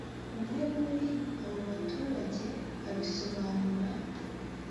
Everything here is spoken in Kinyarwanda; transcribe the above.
umwe muri abo baturage abisobanura